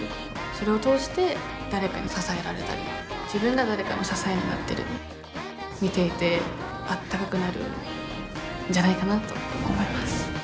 それを通して誰かに支えられたり自分が誰かの支えになったり見ていてあったかくなるんじゃないかなと思います。